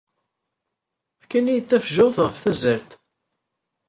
Fkan-iyi-d tafgurt ɣef tazzalt.